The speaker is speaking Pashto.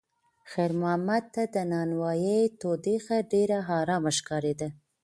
خیر محمد ته د نانوایۍ تودوخه ډېره ارامه ښکارېده.